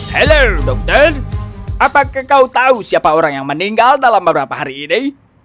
halo dokter apakah kau tahu siapa orang yang meninggal dalam beberapa hari ini